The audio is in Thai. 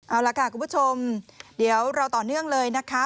เอาล่ะค่ะคุณผู้ชมเดี๋ยวเราต่อเนื่องเลยนะคะ